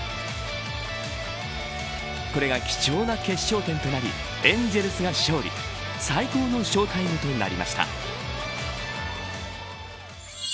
これが貴重な決勝点となりエンゼルスが勝利最高のショータイムとなりました。